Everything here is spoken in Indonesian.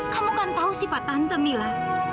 kamu kan tahu sifat tante mila